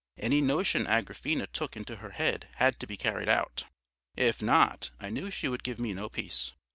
Any notion Agrafena took into her head had to be carried out; if not, I knew she would give me no peace.